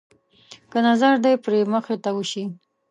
که نظر د پري مخ ته وشي.